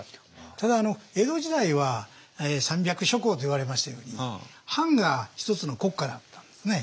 ただ江戸時代は三百諸侯といわれましたように藩が１つの国家だったんですね。